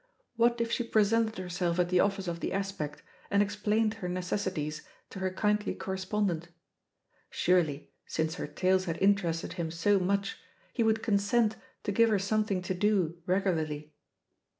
What if she presented herself at the office of The Aspect and explained her neces sities to her kindly correspondent? Surely^ since her tales had interested him so much, he would oonsent to give her something to do regularly?